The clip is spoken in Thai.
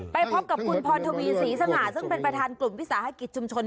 ไปพบกับคุณพรทวีศรีสง่าซึ่งเป็นประธานกลุ่มวิสาหกิจชุมชน